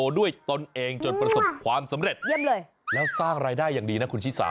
ด้วยตนเองจนประสบความสำเร็จเยี่ยมเลยแล้วสร้างรายได้อย่างดีนะคุณชิสา